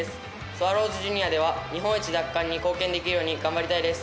スワローズジュニアでは日本一奪還に貢献できるように頑張りたいです。